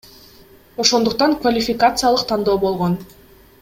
Ошондуктан квалификациялык тандоо болгон.